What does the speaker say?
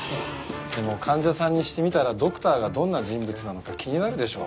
でも患者さんにしてみたらドクターがどんな人物なのか気になるでしょう。